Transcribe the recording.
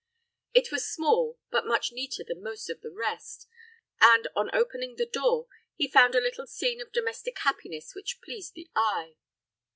It was small, but much neater than most of the rest, and, on opening the door, he found a little scene of domestic happiness which pleased the eye.